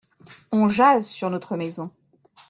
On jase sur notre maison.